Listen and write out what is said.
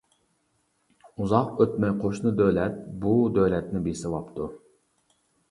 ئۇزاق ئۆتمەي قوشنا دۆلەت بۇ دۆلەتنى بېسىۋاپتۇ.